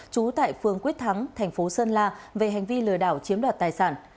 trú tại phương quyết thắng thành phố sơn la về hành vi lừa đảo chiếm đoạt tài sản